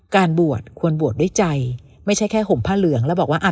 การบวชควรบวชด้วยใจไม่ใช่แค่ห่มผ้าเหลืองแล้วบอกว่าอ่ะ